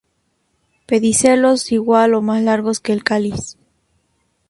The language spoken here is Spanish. Pedicelos igual o más largos que el cáliz.